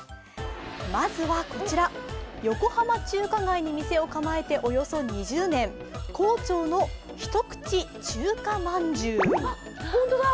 まずはこちら、横浜中華街に店を構えておよそ２０年、皇朝のひとくち中華まんじゅう。